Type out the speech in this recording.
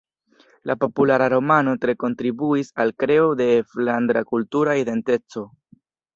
La populara romano tre kontribuis al kreo de flandra kultura identeco.